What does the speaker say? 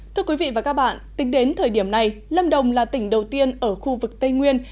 thưa quý vị và các bạn tính đến thời điểm này lâm đồng là tỉnh đầu tiên ở khu vực tây nguyên